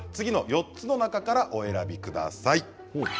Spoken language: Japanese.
４つの中からお選びください。